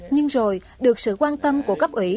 nhưng rồi được sự quan tâm của cấp ủy